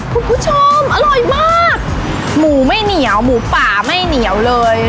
คุณผู้ชมอร่อยมากหมูไม่เหนียวหมูป่าไม่เหนียวเลย